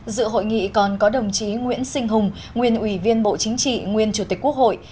dự hội nghị còn có đồng chí nguyễn sinh hùng nguyên ủy viên bộ chính trị nguyên chủ tịch quốc hội